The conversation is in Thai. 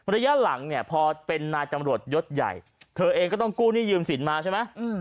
ระยะหลังเนี่ยพอเป็นนายตำรวจยศใหญ่เธอเองก็ต้องกู้หนี้ยืมสินมาใช่ไหม